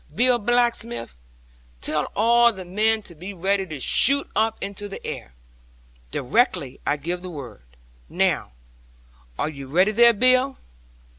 Bill Blacksmith, tell all the men to be ready to shoot up into the air, directly I give the word. Now, are you ready there, Bill?"